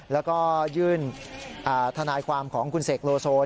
แล้วก็ยื่นทนายความของคุณเสกโลโซ